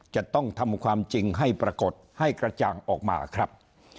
จะต้องทำความจริงให้ปรากฏให้กระจ่างออกมาครับ